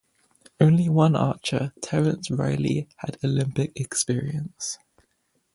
Only one archer, Terence Reilly, had Olympic experience.